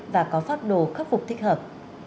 và có pháp đồ khắc phục thích hợp